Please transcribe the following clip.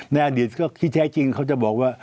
ในอดีตก็ที่แท้จริงเขาจะบอกว่า